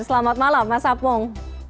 selamat malam mas apung